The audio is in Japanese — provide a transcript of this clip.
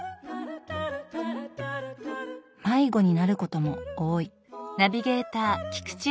迷子になることも多い。